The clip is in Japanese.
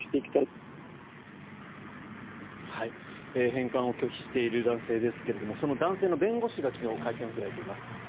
返還を拒否している男性ですがその男性の弁護士が昨日、会見を開いています。